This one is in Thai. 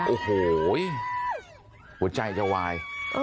โอ้โหหัวใจจะวาย